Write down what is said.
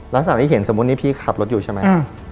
ลักษณะที่เห็นสมมุตินี่พี่ขับรถอยู่ใช่ไหม